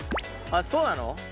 あっそうなの？